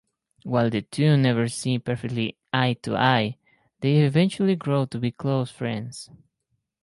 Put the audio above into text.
While the two never see perfectly eye-to-eye, they eventually grow to be close friends.